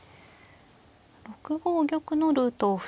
６五玉のルートを塞いで。